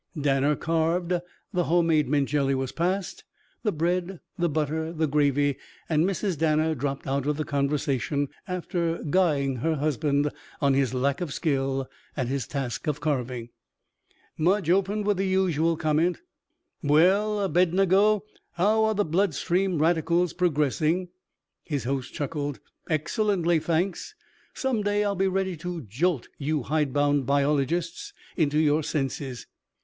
Danner carved, the home made mint jelly was passed, the bread, the butter, the gravy; and Mrs. Danner dropped out of the conversation, after guying her husband on his lack of skill at his task of carving. Mudge opened with the usual comment. "Well, Abednego, how are the blood stream radicals progressing?" His host chuckled. "Excellently, thanks. Some day I'll be ready to jolt you hidebound biologists into your senses."